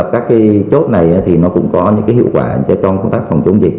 cái chốt này thì nó cũng có những cái hiệu quả cho công tác phòng chống dịch